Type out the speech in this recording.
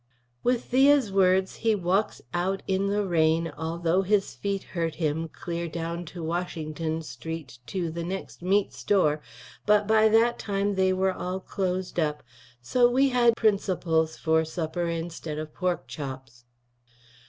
With theas wirds he walks out in the rane althogh his feet hurt him clear down to Washington St. to the nex meet store, but by that time they were all cloased up so we had prinsaples for supper insted of porc chops.